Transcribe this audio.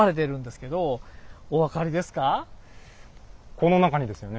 この中にですよね？